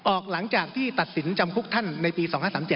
ออกหลังจากที่ตัดสินเจ้าจะจำกุกท่านในปี๒๐๐๕๒๐๓๗